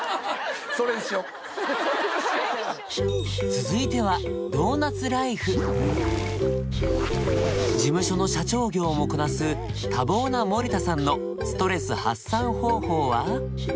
続いては事務所の社長業もこなす多忙な森田さんのストレス発散方法は？